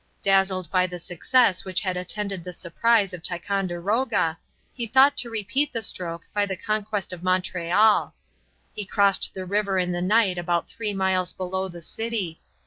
Dazzled by the success which had attended the surprise of Ticonderoga, he thought to repeat the stroke by the conquest of Montreal. He crossed the river in the night about three miles below the city.